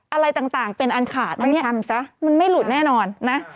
อะไรต่างเป็นอันขาดนี่มันไม่หลุดแน่นอน